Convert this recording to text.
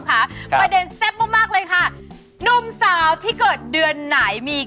ประเด็นแซ่บมากเลยฮะ